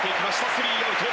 スリーアウト。